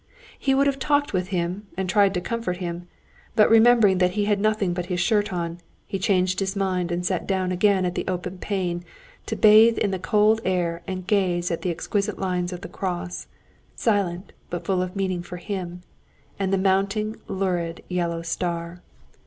He would have talked with him, and tried to comfort him, but remembering that he had nothing but his shirt on, he changed his mind and sat down again at the open pane to bathe in the cold air and gaze at the exquisite lines of the cross, silent, but full of meaning for him, and the mounting lurid yellow star.